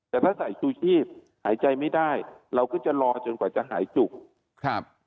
แต่ถ้าใส่ชูชีพหายใจไม่ได้เราก็จะรอจนกว่าจะหายจุกครับ